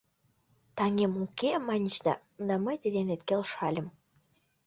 Таҥем уке, маньыч да, да мый тый денет келшальым